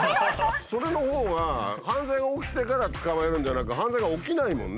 それのほうが犯罪が起きてから捕まえるんじゃなく犯罪が起きないもんね。